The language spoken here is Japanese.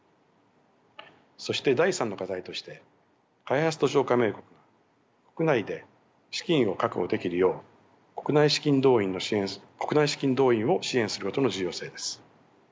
そして第３の課題として開発途上加盟国が国内で資金を確保できるよう国内資金動員を支援することの重要性です。